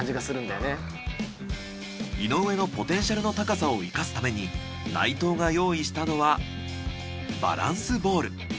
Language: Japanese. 井上のポテンシャルの高さを生かすために内藤が用意したのはバランスボール。